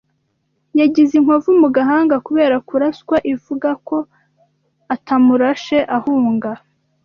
Yagize inkovu mu gahanga kubera kuraswa ivuga ko atamurashe ahunga